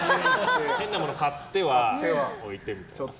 変なもの買っては置いてみたいな。